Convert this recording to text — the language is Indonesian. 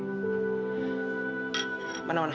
yang apa kok is beas aja